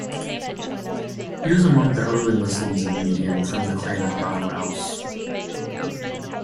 He was among the early Muslims of Median from the clan of Banu Aws.